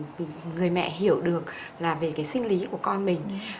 thì mình làm sao mà người mẹ hiểu được là về cái sinh lý của con mình